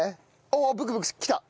あっブクブクきた！